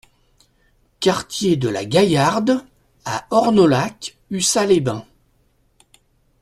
Quartier de la Gaillarde à Ornolac-Ussat-les-Bains